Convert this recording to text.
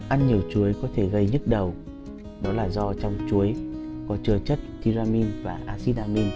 ăn nhiều chuối có thể gây nhức đầu đó là do trong chuối có trừa chất tiramin và asidamin